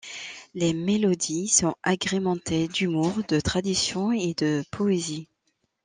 Les mélodies sont agrémentées d'humour, de tradition et de poésie.